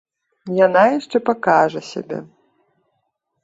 Яна яшчэ пакажа сябе.